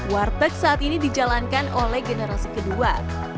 warteg saat ini dijalankan oleh generasi kedua